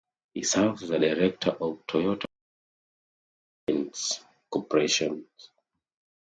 He serves as a director of Toyota Autoparts Philippines Corporation.